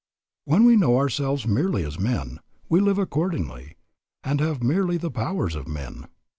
When we know ourselves merely as men, we live accordingly, and have merely the powers of men.